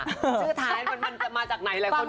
คือทางนั้นมันจะมาจากไหนละคนปรับถาม